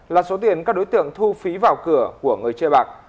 là số tiền các đối tượng thu phí vào cửa của người chơi bạc